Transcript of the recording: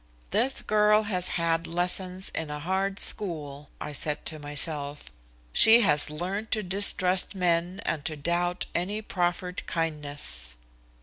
"This girl has had lessons in a hard school," I said to myself. "She has learned to distrust men and to doubt any proffered kindness."